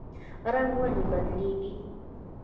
رنګ ولې بدلیږي؟